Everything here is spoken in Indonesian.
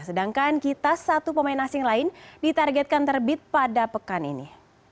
sedangkan kitas satu pemain asing lain ditargetkan terbit pada pekan ini